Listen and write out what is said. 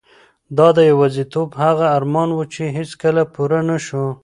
دا د یوازیتوب هغه ارمان و چې هیڅکله پوره نشو.